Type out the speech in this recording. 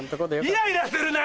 イライラするな！